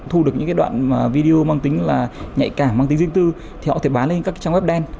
thu được những cái đoạn video mang tính là nhạy cảm mang tính riêng tư thì họ có thể bán lên các trang web đen